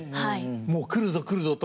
もう「くるぞくるぞ」と。